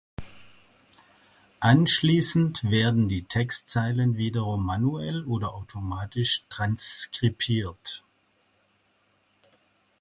Anschließend werden die Textzeilen wiederum manuell oder automatisch transkribiert.